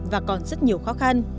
và còn rất nhiều khó khăn